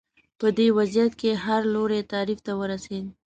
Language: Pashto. په نوي وضعیت کې هر لوری تعریف ته ورسېد